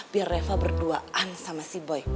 biar reva berduaan sama si boy